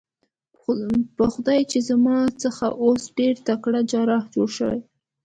په خدای چې زما څخه اوس ډېر تکړه جراح جوړ شوی.